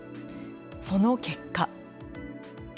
その結果。